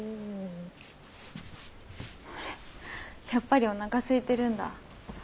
あれやっぱりおなかすいてるんだ。